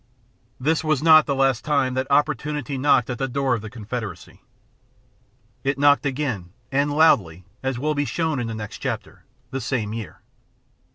This was not the last time that opportunity knocked at the door of the Confederacy. It knocked again, and loudly, as will be shown in the next chapter, the same year.